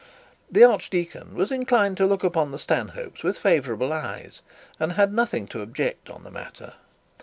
The archdeacon was inclined to look upon the Stanhopes with favourable eyes, and had nothing to object on the matter.